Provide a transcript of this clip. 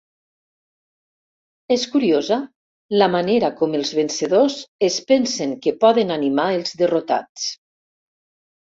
És curiosa la manera com els vencedors es pensen que poden animar els derrotats.